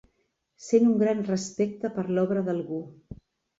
Sent un gran respecte per l'obra d'algú.